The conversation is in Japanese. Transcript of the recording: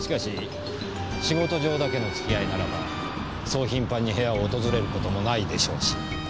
仕事上だけの付き合いならばそう頻繁に部屋を訪れることもないでしょうし。